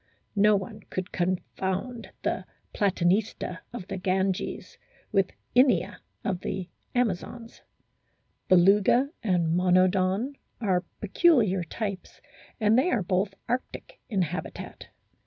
No one could confound the Platanista of the Ganges with Inia of the Amazons. Beluga and Monodon are peculiar types, and they are both Arctic in habitat.